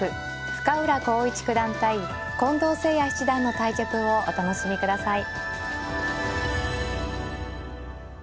深浦康市九段対近藤誠也七段の対局をお楽しみください。